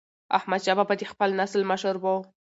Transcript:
احمدشاه بابا د خپل نسل مشر و.